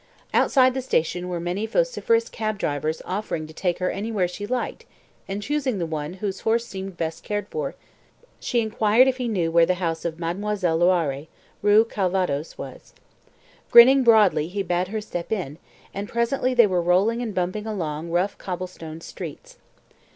Outside the station were many vociferous cab drivers offering to take her anywhere she liked, and, choosing the one whose horse seemed best cared for, she inquired if he knew where the house of Mademoiselle Loiré, Rue Calvados, was. Grinning broadly he bade her step in, and presently they were rolling and bumping along rough cobble stoned streets.